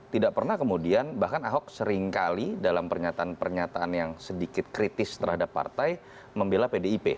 tidak pernah kemudian bahkan ahok seringkali dalam pernyataan pernyataan yang sedikit kritis terhadap partai membela pdip